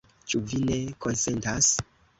Ĉu vi ne konsentas?